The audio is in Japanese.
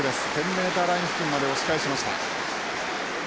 メーターライン付近まで押し返しました。